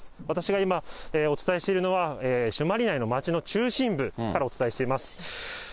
私が今、お伝えしているのは、朱鞠内の町の中心部からお伝えしています。